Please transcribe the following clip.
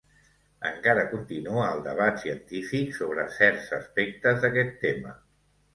Encara continua el debat científic sobre certs aspectes d'aquest tema.